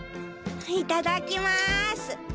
いただきます。